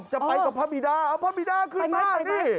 จะไปกับพระมิดาเอาพระมิดาขึ้นมานี่